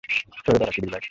সরে দাঁড়া, চুদিরভাই!